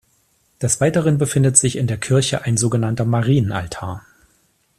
Des Weiteren befindet sich in der Kirche ein so genannter Marien-Altar.